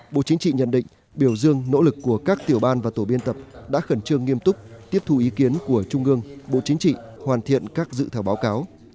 bộ chính trị nhận định biểu dương nỗ lực của các tiểu ban và tổ biên tập đã khẩn trương nghiêm túc tiếp thù ý kiến của trung ương bộ chính trị hoàn thiện các dự thảo báo cáo